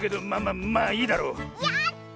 やった！